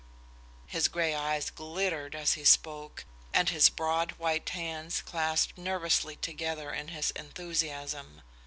His gray eyes glittered as he spoke, and his broad white hands clasped nervously together in his enthusiasm.